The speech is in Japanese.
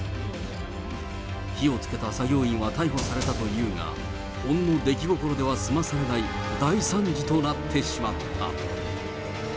火をつけた作業員は逮捕されたというが、ほんの出来心では済まされない大惨事となってしまった。